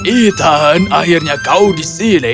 ethan akhirnya kau di sini